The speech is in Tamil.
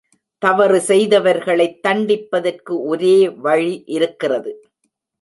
தவறு செய்தவர்களைத் தண்டிப்பதற்கு ஒரே வழி இருக்கிறது.